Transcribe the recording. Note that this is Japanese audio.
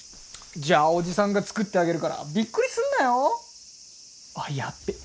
じゃあ叔父さんが作ってあげるからびっくりすんなよ！？あっやっべ！